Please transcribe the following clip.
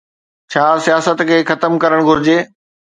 ڇا سياست کي ختم ڪرڻ گهرجي؟